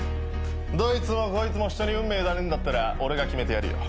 どいつもこいつも人に運命委ねんだったら俺が決めてやるよ。